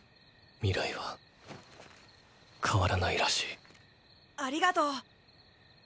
未来は変わらないらしいアリガトウ！